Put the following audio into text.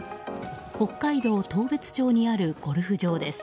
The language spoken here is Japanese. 北海道当別町にあるゴルフ場です。